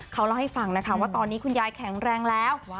เขาเล่าให้ฟังนะคะว่าตอนนี้คุณยายแข็งแรงแล้ว